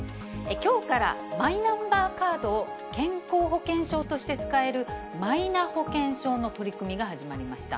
きょうからマイナンバーカードを、健康保険証として使える、マイナ保険証の取り組みが始まりました。